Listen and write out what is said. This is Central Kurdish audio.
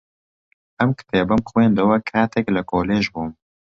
ئەم کتێبەم خوێندەوە کاتێک لە کۆلێژ بووم.